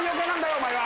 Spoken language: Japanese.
お前は。